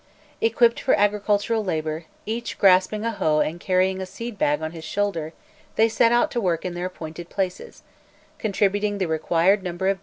Equipped for agricultural labour, each grasping a hoe and carrying a seed bag on his shoulder, they set out to work in their appointed places, contributing the required number of days of forced labour.